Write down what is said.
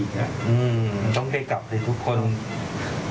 แล้วต้องกลับไหมทุกคน